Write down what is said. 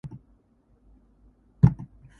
They try to save Savannah from disappearing.